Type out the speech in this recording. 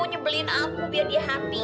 nyebelin aku biar dia happy gitu